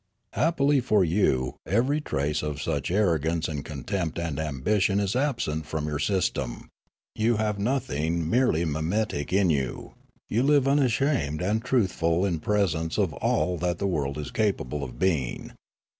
" Happily for you every trace of such arrogance and contempt and ambition is absent from your system. H Limanora You have nothing merely mimetic in you; you live unashamed and truthful in presence of all that the world is capable of being.